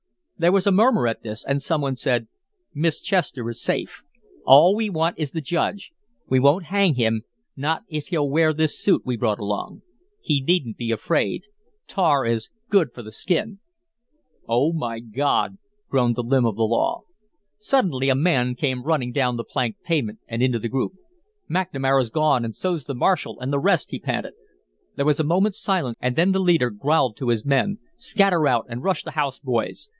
There was a murmur at this, and some one said: "Miss Chester is safe. All we want is the Judge. We won't hang him, not if he'll wear this suit we brought along. He needn't be afraid. Tar is good for the skin." "Oh, my God!" groaned the limb of the law. Suddenly a man came running down the planked pavement and into the group. "McNamara's gone, and so's the marshal and the rest," he panted. There was a moment's silence, and then the leader growled to his men, "Scatter out and rush the house, boys."